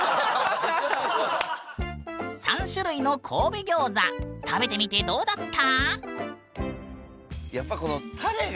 ３種類の神戸ギョーザ食べてみてどうだった？